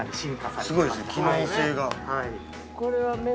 ◆すごいですね、機能性が。